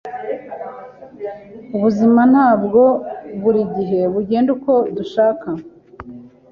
Ubuzima ntabwo buri gihe bugenda uko dushaka.